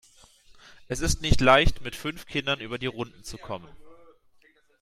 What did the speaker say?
Es ist nicht leicht, mit fünf Kindern über die Runden zu kommen.